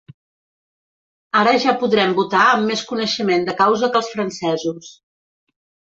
Ara ja podrem votar amb més coneixement de causa que els francesos.